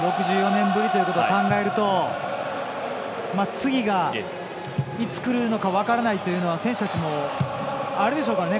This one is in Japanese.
ウェールズが６４年ぶりということを考えると次がいつくるのか分からないというのは選手たちもあるでしょうからね